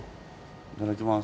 いただきます。